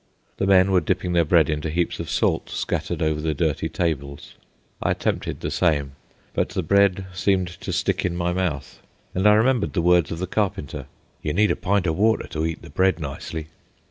The men were dipping their bread into heaps of salt scattered over the dirty tables. I attempted the same, but the bread seemed to stick in my mouth, and I remembered the words of the Carpenter, "You need a pint of water to eat the bread nicely."